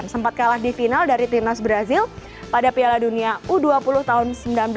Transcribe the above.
sempat kalah di final dari timnas brazil pada piala dunia u dua puluh tahun seribu sembilan ratus sembilan puluh